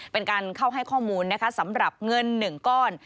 เป็นการเค้าให้ข้อมูลสำหรับเรียนเงิน๑ก้อน